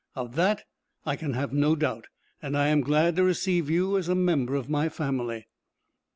Of that I can have no doubt, and I am glad to receive you as a member of my family."